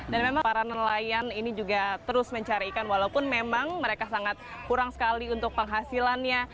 dan memang para nelayan ini juga terus mencarikan walaupun memang mereka sangat kurang sekali untuk penghasilannya